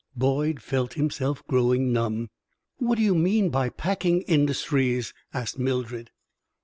Boyd felt himself growing numb. "What do you mean by 'packing industries'?" asked Mildred.